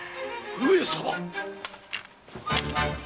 上様？